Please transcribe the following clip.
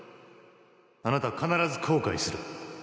あなたは必ず後悔する